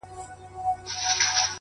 زړه مي دي خاوري سي ډبره دى زړگى نـه دی،